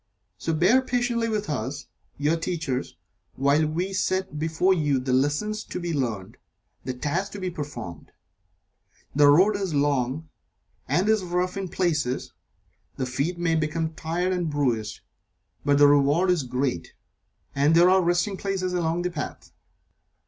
So bear patiently with us, your Teachers, while we set before you the lessons to be learned the tasks to be performed. The road is long, and is rough in places the feet may become tired and bruised, but the reward is great, and there are resting places along the path.